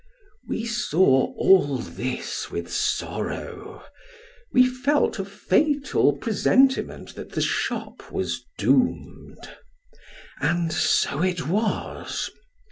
We saw all this with sorrow ; we felt a fatal presentiment that the shop was doomed and so it was.